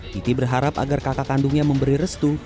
titi berharap agar kakak kandungnya memberi restu